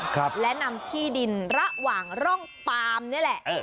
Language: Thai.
ครับและนำที่ดินระหว่างร่องปามนี่แหละเออ